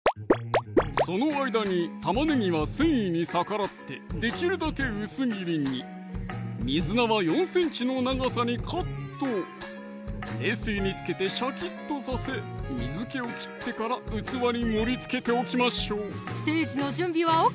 その間に玉ねぎは繊維に逆らってできるだけ薄切りに水菜は４ｃｍの長さにカット冷水につけてシャキッとさせ水気を切ってから器に盛りつけておきましょうステージの準備はＯＫ？